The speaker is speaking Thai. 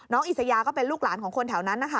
น้องอิษยาก็เป็นลูกหลานของคนแถวนั้นค่ะ